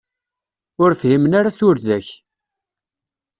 Ur fhimen ara turda-k.